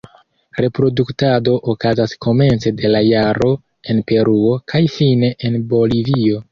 Reproduktado okazas komence de la jaro en Peruo kaj fine en Bolivio.